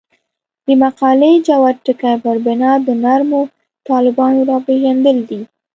د مقالې جوت ټکی پر بنا د نرمو طالبانو راپېژندل دي.